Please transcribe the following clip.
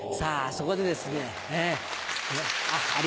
そこでですね